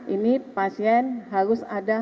ini pasien harus ada